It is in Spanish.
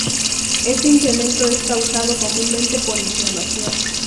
Este incremento es causado comúnmente por inflamación.